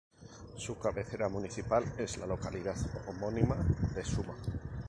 Su cabecera municipal es la localidad homónima de Suma.